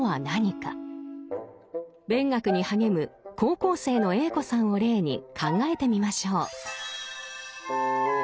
勉学に励む高校生のＡ子さんを例に考えてみましょう。